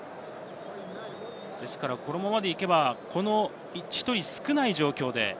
ですから、このままでいけば、１人少ない状況で。